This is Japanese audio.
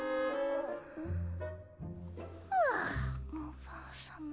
おばあさま。